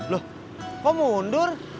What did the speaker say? loh kok mundur